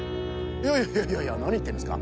いやいやいやいやなにいってるんですか。